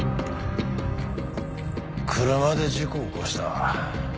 車で事故を起こした。